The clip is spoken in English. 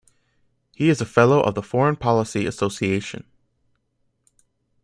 He is a Fellow of the Foreign Policy Association.